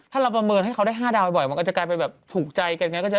ถ้าเราประเมินให้เขาได้๕ดาวบ่อยก็จะกำลังมาถูกใจกัน